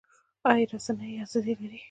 آیا رسنۍ ازادې دي؟